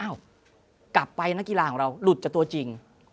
กลับไปนักกีฬาของเราหลุดจากตัวจริง